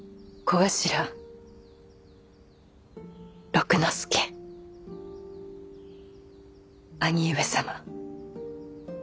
小頭六之助兄上様